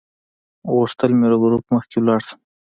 غوښتل مې له ګروپ مخکې لاړ شم.